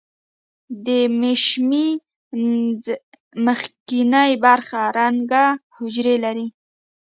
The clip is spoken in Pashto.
د مشیمیې مخکینۍ برخه رنګه حجرې لري.